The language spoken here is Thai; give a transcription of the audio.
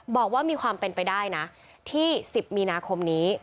บอกว่ามีความเป็นไปได้นะที่๑๐มีนาคมนี้